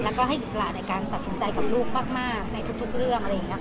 และให้อิสระในการตัดสินใจกับลูกมากในทุกเรื่อง